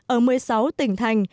ở một mươi sáu tỉnh thành